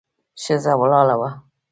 ښځه ولاړه وه.